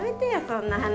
そんな話。